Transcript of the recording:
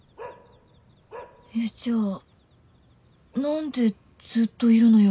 えっじゃあ何でずっといるのよ